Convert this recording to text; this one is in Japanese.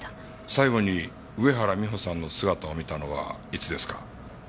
最後に上原美帆さんの姿を見たのはいつですか？